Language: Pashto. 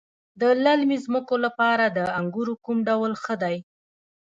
د للمي ځمکو لپاره د انګورو کوم ډول ښه دی؟